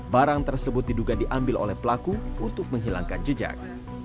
barang tersebut diduga diambil oleh pelaku untuk menghilangkan jejak